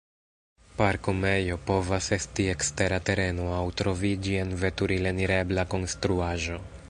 Parkumejo povas esti ekstera tereno aŭ troviĝi en veturil-enirebla konstruaĵo.